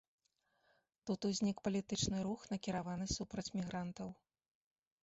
Тут узнік палітычны рух, накіраваны супраць мігрантаў.